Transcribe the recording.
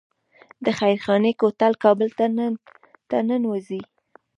د خیرخانې کوتل کابل ته ننوځي